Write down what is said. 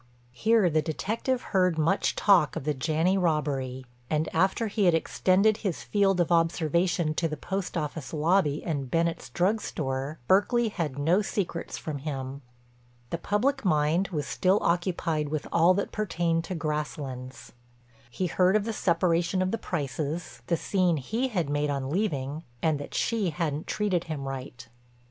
Here the detective heard much talk of the Janney robbery, and, after he had extended his field of observation to the post office lobby and Bennett's drug store, Berkeley had no secrets from him. The public mind was still occupied with all that pertained to Grasslands. He heard of the separation of the Prices, the scene he had made on leaving, and that she hadn't treated him right.